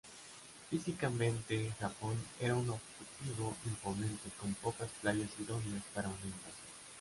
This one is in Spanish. Físicamente, Japón era un objetivo imponente, con pocas playas idóneas para una invasión.